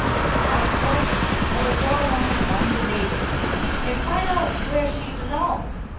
For my part, I will go around among the neighbours, and find out where she belongs."